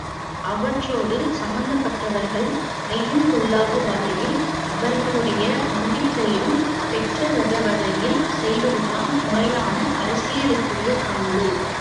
அவற்றோடு சம்பந்தப்பட்டவர்கள் ஐயம் கொள்ளாத வகையில் அவர்களுடைய நம்பிக்கையையும் பெறத்தக்கவகையில் செய்வதுதான் முறையான அரசியலுக்குரிய பண்பு.